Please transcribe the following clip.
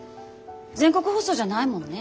全国放送じゃないもんね。